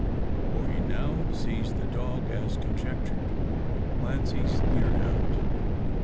For he now sees the dog as conjectured, Clancy's deer hound.